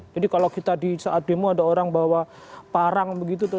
jadi kalau kita di saat demo ada orang bawa parang begitu terus